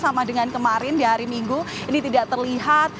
sama dengan kemarin di hari minggu ini tidak terlihat